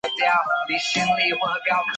苏阿尼阿。